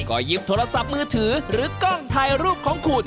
ก็หยิบโทรศัพท์มือถือหรือกล้องถ่ายรูปของคุณ